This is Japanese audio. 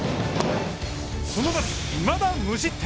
この夏、いまだ無失点。